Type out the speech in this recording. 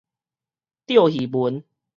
釣魚文